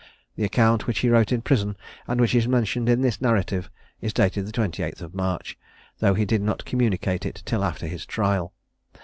The account which he wrote in prison, and which is mentioned in this narrative, is dated the 28th of March, though he did not communicate it till after his trial.